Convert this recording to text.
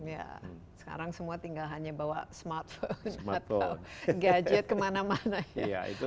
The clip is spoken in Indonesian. ya sekarang semua tinggal hanya bawa smartphone atau gadget kemana mana ya